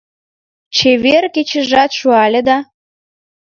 Чевер кечыжат шуале да